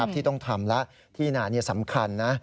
ที่ต้องทำแล้วที่นาสำคัญนะ